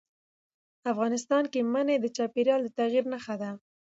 افغانستان کې منی د چاپېریال د تغیر نښه ده.